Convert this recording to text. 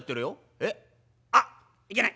「えっ？あっいけねえ！